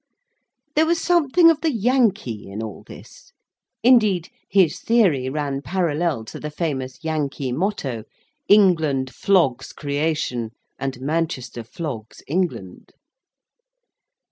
There was something of the Yankee in all this. Indeed his theory ran parallel to the famous Yankee motto—"England flogs creation, and Manchester flogs England."